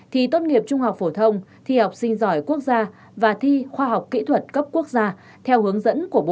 thì tốt nghiệp trung học phổ thông thi học sinh giỏi quốc gia và thi khoa học kỹ thuật cấp quốc gia theo hướng dẫn của bộ giáo dục và đào tạo